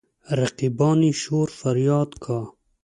رقیبان يې شور فرياد کا.